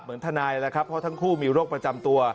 ทนายแล้วครับเพราะทั้งคู่มีโรคประจำตัว